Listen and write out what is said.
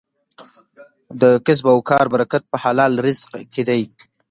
د کسب او کار برکت په حلال رزق کې دی.